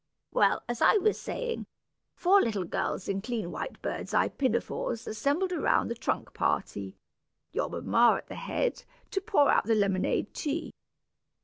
"Well, as I was saying, four little girls in clean white birds' eye pinafores assembled around the trunk party, your mamma at the head, to pour out the lemonade tea.